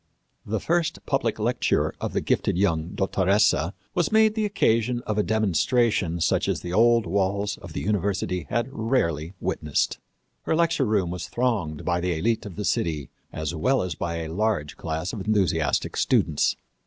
The first public lecture of the gifted young dottoressa was made the occasion of a demonstration such as the old walls of the university had rarely witnessed. Her lecture room was thronged by the élite of the city, as well as by a large class of enthusiastic students.